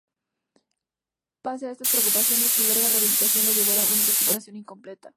Pese a estas preocupaciones, su larga rehabilitación le llevó a una recuperación completa.